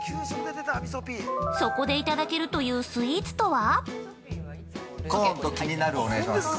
そこでいただけるというスイーツとは？